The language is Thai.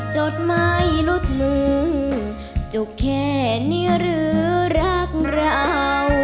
จดไม้รุดหนึ่งจุกแค่เนื้อหรือรักเรา